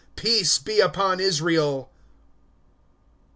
Peace be upon Israel !